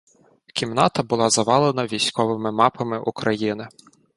Кімната була завалена військовими мапами України.